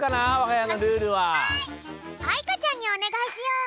あいかちゃんにおねがいしよう！